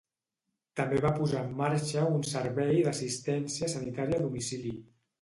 També va posar en marxa un servei d'assistència sanitària a domicili.